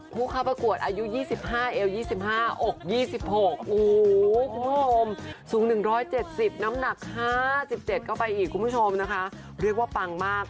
ผู้ค่าประกวดอายุ๒๕เอียว๒๕อก๒๖สูง๑๗๐น้ำหนัก๕๗ก็ไปอีกคุณผู้ชมนะคะเรียกว่าปังมาก